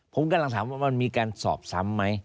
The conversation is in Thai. ผมกำลังถามว่ามันมีการสอบซ้ำไหม